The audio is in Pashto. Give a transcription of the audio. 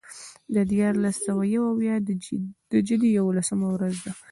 د دیارلس سوه یو اویا د جدې یوولسمه ورځ ده.